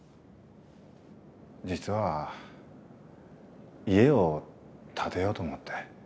実は家を建てようと思って。